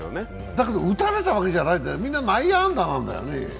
だけど打たれたわけじゃない、みんな内野安打なんだよね。